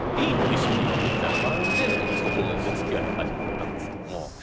一緒に行ってみたいな感じでこうお付き合い始まったんですけども。